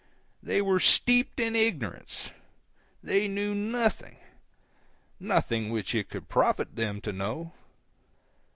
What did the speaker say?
They were steeped in ignorance; they knew nothing—nothing which it could profit them to know.